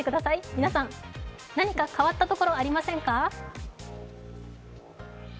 皆さん、何か変わったところありませんか？